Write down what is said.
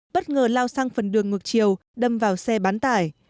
bất ngờ lao sang phần đường ngược chiều đâm vào xe bán tải